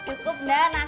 bilang aja lo udah lapar